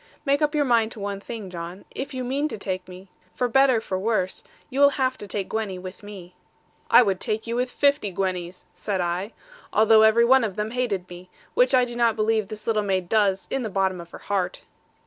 Make up your mind to one thing, John; if you mean to take me, for better for worse, you will have to take Gwenny with me. 'I would take you with fifty Gwennies,' said I, 'although every one of them hated me, which I do not believe this little maid does, in the bottom of her heart.'